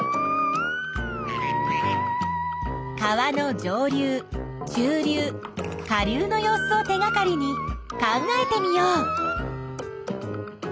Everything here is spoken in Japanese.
川の上流中流下流の様子を手がかりに考えてみよう。